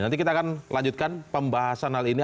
nanti kita akan lanjutkan pembahasan hal ini